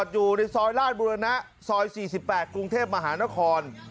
อยู่ในซอยราชบุรณะซอย๔๘กรุงเทพมหานคร